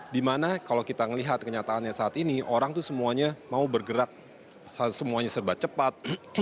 dimana kalau kita melihat kenyataannya saat ini orang itu semuanya mau bergerak semuanya serba cepat